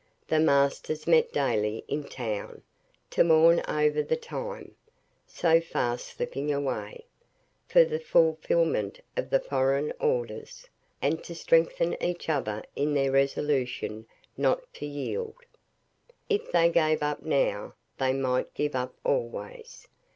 The masters met daily in town, to mourn over the time (so fast slipping away) for the fulfilment of the foreign orders; and to strengthen each other in their resolution not to yield. If they gave up now, they might give up always.